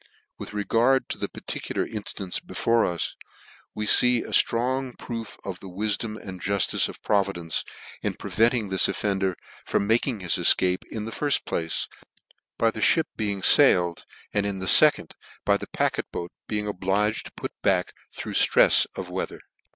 With regard to the particular inflance before us, we fee a ftrong proof of the wilcSom and juf tice of Providence, in preventing this offender from making his efcape; in the firft place, by the (hip being failed, and in the fecorjd, by the packet boat being obliged to put back, through ftrefs of weather.